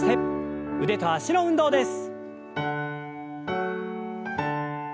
腕と脚の運動です。